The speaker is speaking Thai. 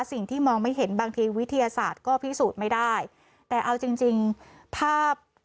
สิ่งที่มองไม่เห็นบางทีวิทยาศาสตร์ก็พิสูจน์ไม่ได้แต่เอาจริงจริงภาพ